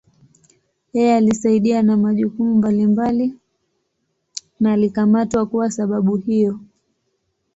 Yeye alisaidia na majukumu mbalimbali na alikamatwa kuwa sababu hiyo.